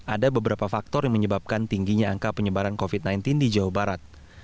ada beberapa faktor yang menyebabkan tingginya angka penyebaran covid sembilan belas di jawa barat